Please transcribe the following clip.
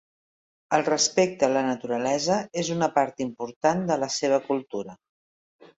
El respecte a la naturalesa és una part important de la seva cultura.